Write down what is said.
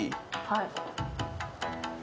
はい。